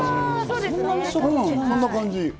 そんな感じ。